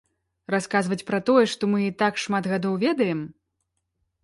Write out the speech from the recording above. Расказваць пра тое, што мы і так шмат гадоў ведаем?